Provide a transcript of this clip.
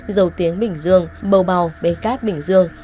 dầu tiếng bình dương bầu bào bến cát bình dương